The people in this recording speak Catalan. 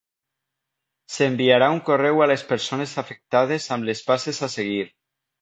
S'enviarà un correu a les persones afectades amb les passes a seguir.